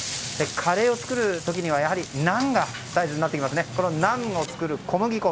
カレーを作る時にはナンが大事になってきますがナンを作る小麦粉